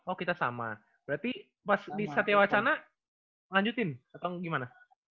oh kita sama berarti pas di satya wacana lanjutin atau gimana